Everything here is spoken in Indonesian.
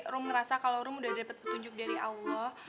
rum ngerasa kalau rum udah dapet petunjuk dari allah